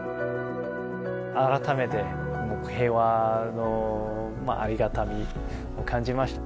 改めて平和のありがたみを感じました。